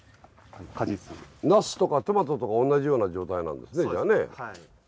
ナスとかトマトとか同じような状態なんですねじゃあね。